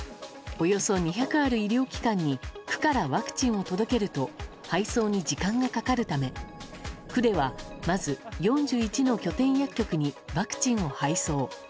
およそ２００ある医療機関に区からワクチンを届けると配送に時間がかかるため区では、まず４１の拠点薬局にワクチンを配送。